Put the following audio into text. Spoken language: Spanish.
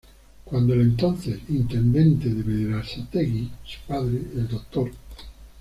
Cuando el entonces intendente de Berazategui su padre, el Dr.